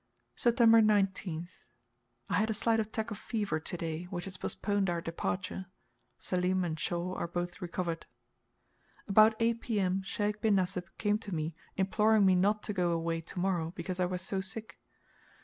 September 19th. I had a slight attack of fever to day, which has postponed our departure. Selim and Shaw are both recovered. About 8 P.M. Sheik bin Nasib came to me imploring me not to go away to morrow, because I was so sick.